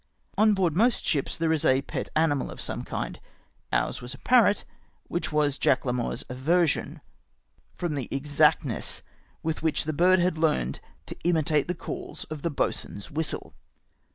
On board most ships there is a pet animal of some kind. Ours was a parrot, which was Jack Larmour's aversion, from the exactness w^ith which the bu d had learned to imitate the calls of the boatswain's whistle.